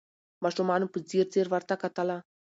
ماشومانو په ځیر ځیر ورته کتله